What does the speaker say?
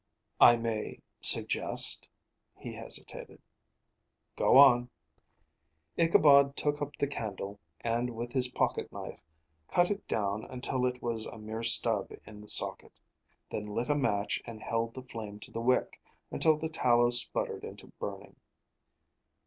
"I may suggest " he hesitated. "Go on." Ichabod took up the candle, and, with his pocket knife, cut it down until it was a mere stub in the socket, then lit a match and held the flame to the wick, until the tallow sputtered into burning.